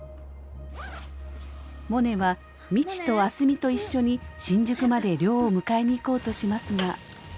モネは未知と明日美と一緒に新宿まで亮を迎えに行こうとしますが。